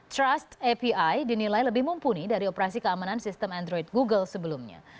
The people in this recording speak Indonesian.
trust api dinilai lebih mumpuni dari operasi keamanan sistem android google sebelumnya